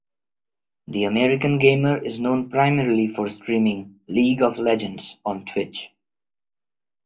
The American gamer is known primarily for streaming "League of Legends" on Twitch.